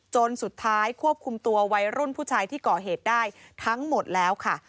จนสุดท้ายควบคุมตัววัยรุ่นผู้ชายที่ก่อเหตุได้ทั้งหมดแล้วค่ะ